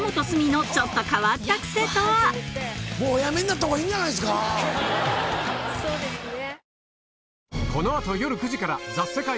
もうおやめになったほうがいいんじゃないですか？